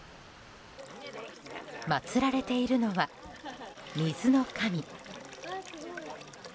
祭られているのは水の神。